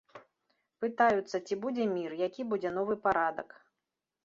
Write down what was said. Пытаюцца, ці будзе мір, які будзе новы парадак.